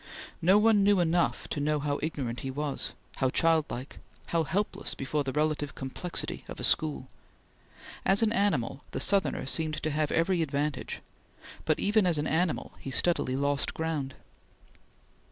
No one knew enough to know how ignorant he was; how childlike; how helpless before the relative complexity of a school. As an animal, the Southerner seemed to have every advantage, but even as an animal he steadily lost ground.